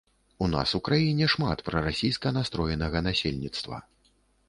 У нас у краіне шмат прарасійска настроенага насельніцтва.